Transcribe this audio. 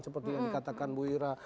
seperti yang dikatakan bu ira